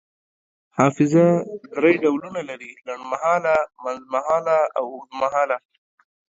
حافظه دری ډولونه لري: لنډمهاله، منځمهاله او اوږدمهاله